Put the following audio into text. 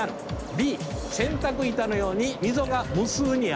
「Ｂ」洗濯板のように溝が無数にある。